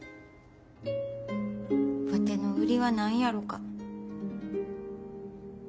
ワテの売りは何やろか。